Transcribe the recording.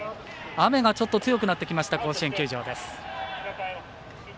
雨がちょっと強くなってきました甲子園球場です。